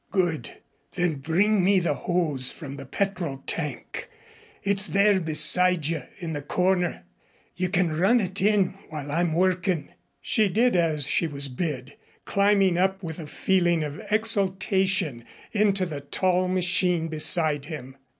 "Good. Then bring me the hose from the petrol tank. It's there beside you in the corner. You can run it in while I'm workin'." She did as she was bid, climbing up with a feeling of exultation into the tall machine beside him.